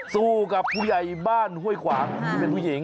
สู้กับผู้ใหญ่บ้านห้วยขวางที่เป็นผู้หญิง